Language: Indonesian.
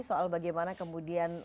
soal bagaimana kemudian